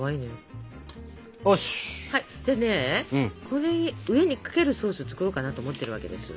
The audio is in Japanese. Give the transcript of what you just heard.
これに上にかけるソースを作ろうかなと思ってるわけです。